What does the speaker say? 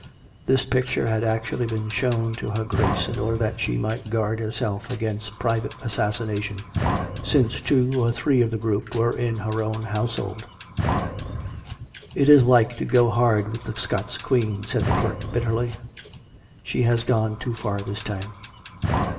This picture had actually been shown to her Grace in order that she might guard her self against private assassination, since two or three of the group were in her own household. " It is like to go hard with the Scots Queen !" said the clerk bitterly. " She has gone too far this time."